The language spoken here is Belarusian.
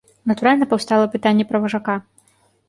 Натуральна, паўстала пытанне пра важака.